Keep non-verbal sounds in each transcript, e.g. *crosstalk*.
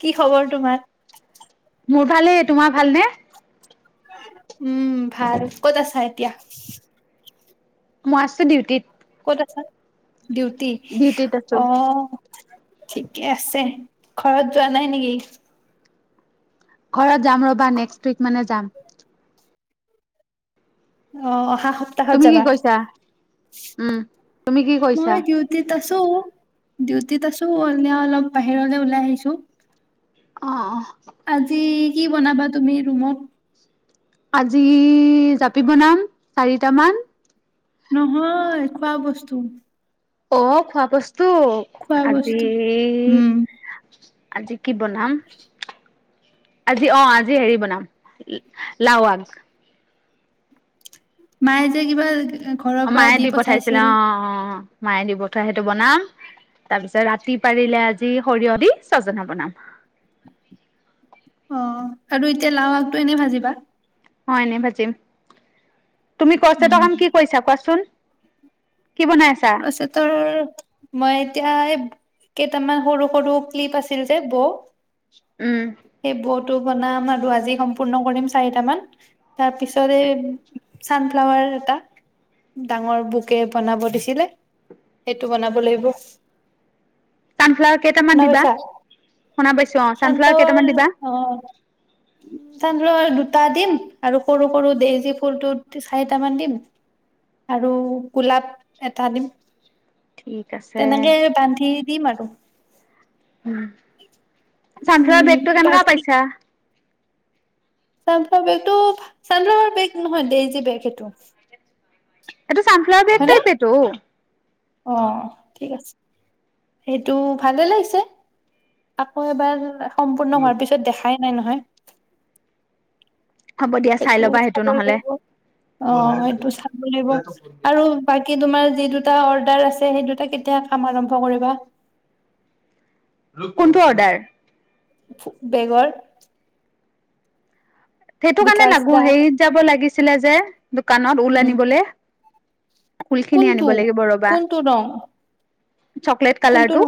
কি খবৰ তোমাৰ? মোৰ ভালেই। তোমাৰ ভালনে? উম ভাল! ক'ত আছা এতিয়া? মই আছো ডিউটিত। ক'ত আছা? ডিউটি? ডিউটিত আছো। অ' ঠিকে আছে। ঘৰত যোৱা নাই নেকি? ঘৰত যাম ৰ'বা। নেক্সট উইক মানে যাম। অ অহা সপ্তাহত তুমি কি যাবা। কৰিছা উম তুমি কি কৰিছা? তো ডিউটিত আছো। এ অলপ বাহিৰলৈ ওলাই আহিছো। অ আজি কি বনাবা তুমি ৰুমত আজি জাপি বনাম চাৰিটামান নহয় খোৱা বস্তু অ খোৱা বস্তু তো খোৱা আজি বস্তু। উম, আজি কি বনাম আজি অ আজি হেৰি বনাম লাও আগ মায়ে যে কিবা ঘৰৰ পৰা মায়ে দি পঠাইছিলে পঠাইছিল। অ অ মায়ে দি বঠোৱা সেইটো বনাম তাৰ পিছত ৰাতি পাৰিলে আজি সৰিয়হ দি ছজনা বনাম অ আৰু এতিয়া লাও আগটো এনে ভাজিবা হয় এনে বাজিম তুমি কছ উম। তিতাখন কি কৰিছা কোৱাচোন কি বনাই আছা? পাচে তাৰ ছেতৰ মই এতিয়া এই কেইটামান সৰু সৰু ক্লিপ আছিল যে বৌ উম ভাত টো বনাব আৰু সম্পূৰ্ণ কৰিব চাৰিটা মান তাৰ পিছত এই চানফ্ললায়াৰ এটা ডাঙৰ বোকে বনাবো দিছিলে সেইটো বনাব লাগিব ছানফ্লাৱাৰ কেইটামান শুনা দিবা পাইছা শুনা পাইছো অ ছানফ্লাৱাৰ চানফ্লাৱাৰ কেইটামান দিবা চানফ্ললায়াৰ দুটা দিম আৰু সৰু সৰু ডেজি ফুলটো চাৰিটামান দিম আৰু গোলাপ এটা দিম ঠিক আছে, তেনেকে বান্ধি দি ঋঋঋ উম চানফ্ললায়াৰ উম বেগটো কেনেকো বাকী পাইচা চানফ্লাৱাৰ বেগটো ছানফ্লাৱাৰ বেগ নহয় ডেইজি বেগ সেইটো এইটো চানফ্লাৱাৰ বেগ হয়নে টাইপটো অ ঠিক আছে সেইটো ভালে লাগিছে আকৌ এবাৰ সম্পূৰ্ণ হোৱাৰ পিছত দেখাই নাই নহয় হ'ব দিয়া চাই এইটো ল'বা সেইটো চাব নহ'লে। লাগিব অ এই টো চাব লাগিব আৰু বাকী বাকী তোমাৰ যি দুটা অৰ্ডাৰ আছে সেই দুটা কেতিয়া কাম আৰম্ভ কৰিবা কোনটো অৰ্ডাৰ বেগৰ সেইটো কাৰণে বিকাশ লাগো দা হেৰিত যাব লাগিছিলে যে দোকানত ওল উম আনিবলৈ ফুল খিনি কোনটো আনিব লাগিব ৰবা কোনটো ৰং চকলেট কোনটো কালাৰটো।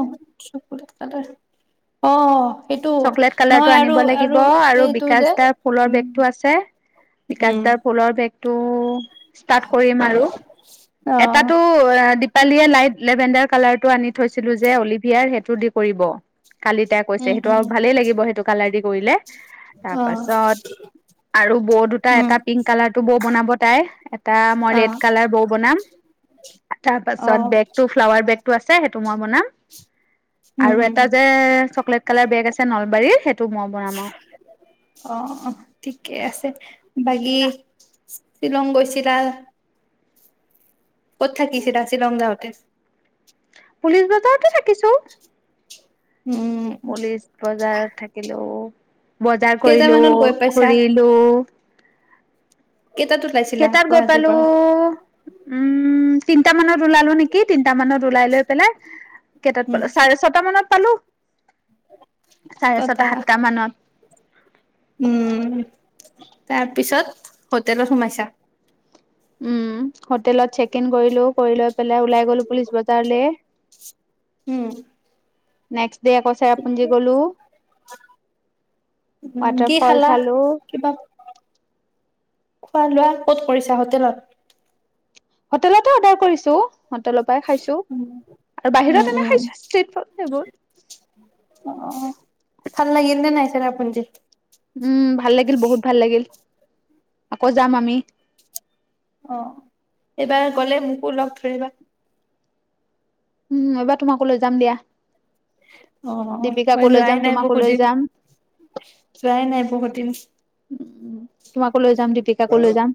অঁ চকলেট কালাৰ কলিয়ে এইটো যে উম উম অ লাইট লেভেণ্ডাৰ কালাৰটো আনি থৈছিলো যে অলিভিয়াৰ সেইটো দি কৰিব কালি তাই কৈছে উম ত উম ভালেই লাগিব সেইটো কাৰণে দি কৰিলে অ তাৰপাছত আৰু বৌ দুটা উম এটা পিংক কালাৰ টো বৌ বনাব তাই এটা মই অ ৰেড কালাৰ বৌ বনাম অ তাৰপাছত বেগ টো ফ্লাৱাৰ বেগ আছে সেইটো মই বনাম আৰু এটা যে চকলেট কালাৰ বেগ আছে নলবাৰীৰ সেইটো মই বনাম আৰু আহ আহ ঠিকে আছে সেই বাকী দুটা শ্বিলং গৈছিলা ক'ত থাকিছেটা শ্বিলংগা হটে পুলিচ বততে থাকিছ উম পুলিচ বজাৰত থাকিলো বজাৰ কৰিলো কেইটামানত গৈ পাইছা ঘুৰিলো কেইটাত ওলাইছিলা কেইটাত গৈ গুৱাহাটীৰ পালো পৰা উম তিনটা মানত ওলালো নেকি তিনটা মানত ওলাই লৈ পেলাই কটাত উম পালো চাৰে ছটা মানত পালো চাৰে ছটা সাতটা মানত উম তাৰ পিছত হটেলত সোমায়ছা? উম হোটেলত চেক ইন কৰিলো কৰি লৈ পেলাই ওলাই গলো পুলিচ বজাৰলৈ উম নেকসট দেয়া কচেৰা ঠিকে পুঞ্জী গলো উম ৱাটাৰ কি ফল খালা চালো কিবা খোৱা লোৱা ক'ত পৰিছা হোটেলত? হোটেলতে অৰ্ডাৰ কৰিছো হোটেলৰ পৰাই খাইছো উম আৰু উম বাহিৰত এনে উম খাইছো ষ্টট ফড সেইবোৰ অ ভাল লাগিল নে নাই ছেৰাপুঞ্জিত উম ভাল লাগিল বহুত ভাল লাগিল আকৌ যাম আমি অ এইবাৰ গ'লে মোকোকো লগ ধৰিবা উম এইবাৰ তোমাকো লৈ যাম দিয়া অ দীপিকাকো মই লৈ যোৱাই যাম নাই তোমাকো বহুত লৈ দিন যাম যোৱাই নাই বহুত দিন উ তোমাকো লৈ যাম দীপিকাকো লৈ যাম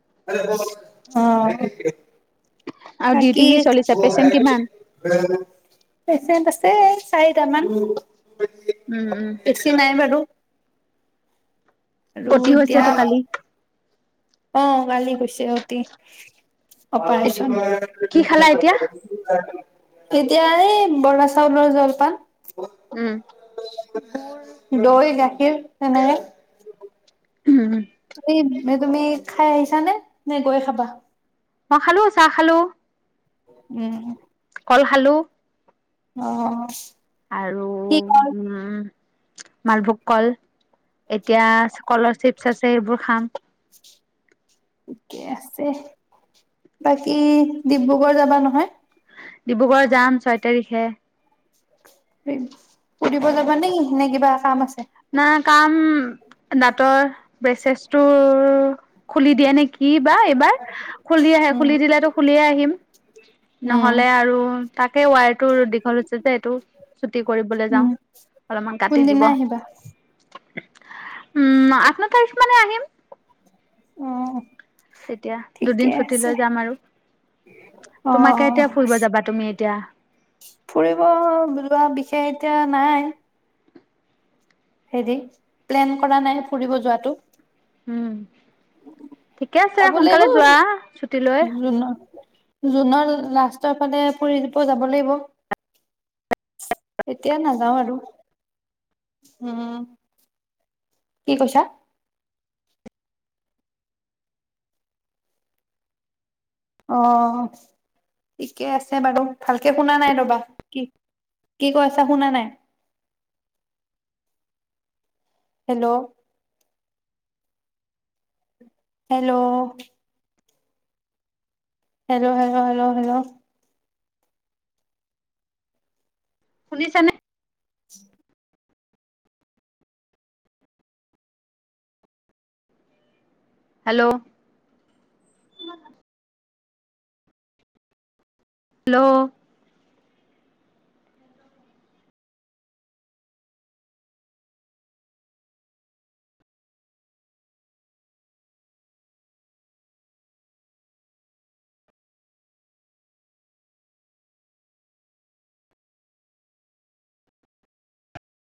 আৰু ডিউটি বাকি কি চলিছে পেচেণ্ট কিমান? পেচেণ্ট আছে চাৰিটামান বেছি নাই বাৰু আৰু কঠি হৈছে এতিয়া টো কালি অ কালি *unintelligible* কি খালা এতিয়া? এতিয়া এই বৰা চাউলৰ জলপান উম দৌৰিলে এনেকে উম তুমি তুমি খাই আহিছা নে নে গৈ খাবা মই খালোঁ চাহ খালোঁ উম কল খালোঁ অ আৰু কি কল উম মালভোগ কল এতিয়া স্কলাৰশিপছ আছে সেইবোৰ খাম থিকে আছে বাকী ডিব্ৰুগড় যাবা নহয় ডিব্ৰুগড় যাম ছয় তাৰিখে ফুৰিব যাবা নেই নে কিবা কাম আছে না কাম দাঁতৰ ব্ৰেছেছটোৰ খুলি দিয়ে নেকি কি বা এইবাৰ খুলি আহে উম খুলি দিলেতো খুলিয়ে আহিম উম নহ'লে আৰু তাকে ৱায়াৰটো দীঘল হৈছে যে এইটো চুটি কৰিবলৈ যাওঁ উম অলপমান কাটি দিব। কোনদিনা আহিবা উম আঠ ন তাৰিখ মানে আহিম অ তেতিয়া দুদিন ছুটি লৈ যাম আৰু অ তোমাকে এতিয়া ফুৰিব যাবা তুমি এতিয়া এয়া এতিয়া নাই হেৰি প্লেন কৰা নাই ফুৰিব যোৱাটো উম ঠিকে আছে যাব লাগিব সোনকালে যোৱা ছুটি লৈ জুনৰ জুনৰ লাষ্টৰ ফালে ফুৰিব যাব লাগিব এতিয়া নাযাওঁ আৰু উম কি কৈছা অ ঠিকে আছে বাৰু ভালকে শুনা নাই ৰবা কি কি কৈছা শুনা নাই hello hello hello hello hello hello শুনিছানে উ হেল্ল' হেল্ল'